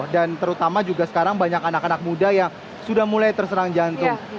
dan terutama juga sekarang banyak anak anak muda yang sudah mulai terserang jantung